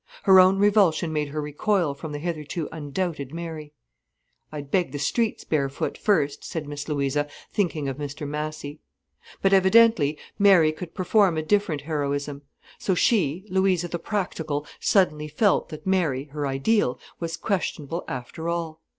Her own revulsion made her recoil from the hitherto undoubted Mary. "I'd beg the streets barefoot first," said Miss Louisa, thinking of Mr Massy. But evidently Mary could perform a different heroism. So she, Louisa the practical, suddenly felt that Mary, her ideal, was questionable after all.